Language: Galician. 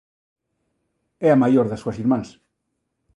É a maior das súas irmáns.